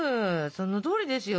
そのとおりですよ！